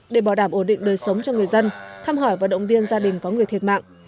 để bảo đảm ổn định đời sống cho người dân thăm hỏi và động viên gia đình có người thiệt mạng